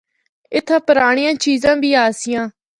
اِتھا پرانڑیاں چیزاں بھی آسیاں۔